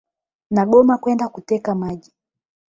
Nagoma kwenda kuteka maji.